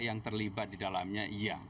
yang terlibat di dalamnya